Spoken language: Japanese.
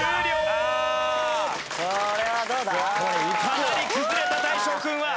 かなり崩れた大昇君は。